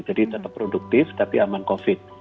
jadi tetap produktif tapi aman covid